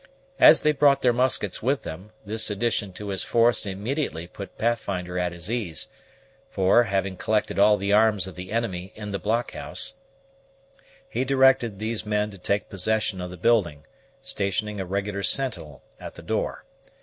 As they brought their muskets with them, this addition to his force immediately put Pathfinder at his ease; for, having collected all the arms of the enemy in the blockhouse, he directed these men to take possession of the building, stationing a regular sentinel at the door.